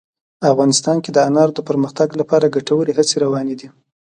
افغانستان کې د انارو د پرمختګ لپاره ګټورې هڅې روانې دي.